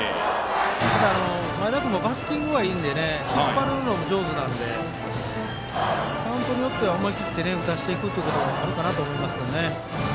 ただ、前田君もバッティングはいいんでね引っ張るのも上手なのでカウントによっては思い切って打たせていくっていうことがあるかなと思いますね。